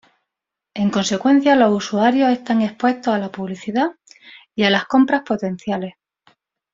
En consecuencia, los usuarios están expuestos a la publicidad y las compras potenciales.